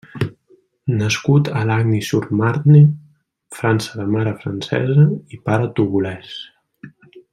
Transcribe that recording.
Nascut a Lagny-sur-Marne, França de mare francesa i pare togolès.